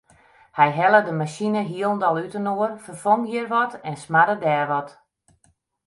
Hy helle de masine hielendal útinoar, ferfong hjir wat en smarde dêr wat.